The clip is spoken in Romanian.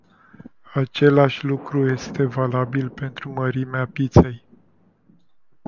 Același lucru este valabil pentru mărimea pizzei.